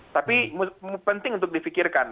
tapi penting untuk difikirkan